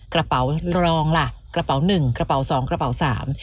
กระเป๋ารองล่ะกระเป๋าหนึ่งกระเป๋าสองกระเป๋าสาม